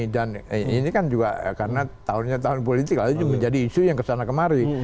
dan ini kan juga karena tahunnya tahun politik lah jadi isu yang kesana kemari